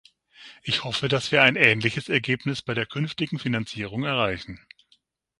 Ich hoffe, dass wir ein ähnliches Ergebnis bei der künftigen Finanzierung erreichen.